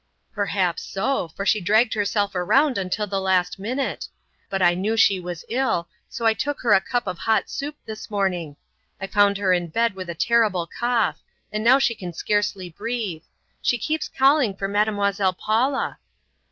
"Perhaps so, for she dragged herself around until the last minute. But I knew she was ill, so I took her a cup of hot soup this morning. I found her in bed with a terrible cough, and now she can scarcely breathe. She keeps calling for Mademoiselle Paula."